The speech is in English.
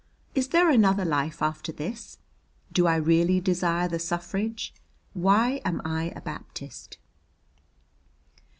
Is there another life after this? Do I really desire the suffrage? Why am I a Baptist?"